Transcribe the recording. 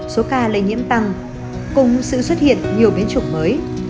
số ca lây nhiễm tăng cùng sự xuất hiện nhiều biến chủng mới